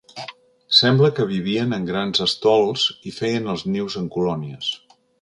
Sembla que vivien en grans estols i feien els nius en colònies.